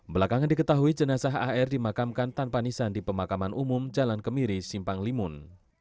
belakangan diketahui jenazah ar dimakamkan tanpa nisan di pemakaman umum jalan kemiri simpang limun